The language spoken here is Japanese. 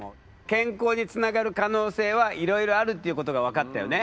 健康につながる可能性はいろいろあるっていうことが分かったよね？